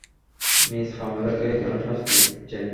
Miss পামেলাকে কেন শাস্তি দিচ্ছেন?